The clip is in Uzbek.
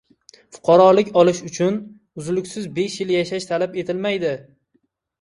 Fuqarolik olish uchun uzluksiz besh yil yashash talab etilmaydi